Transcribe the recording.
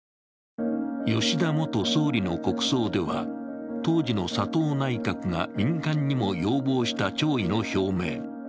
吉田元総理の国葬では当時の佐藤内閣が民間にも要望した弔意の表明。